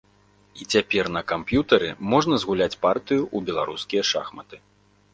І цяпер на камп'ютары можна згуляць партыю ў беларускія шахматы.